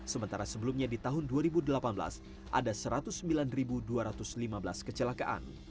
sementara sebelumnya di tahun dua ribu delapan belas ada satu ratus sembilan dua ratus lima belas kecelakaan